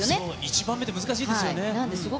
１番目って難しいですよね。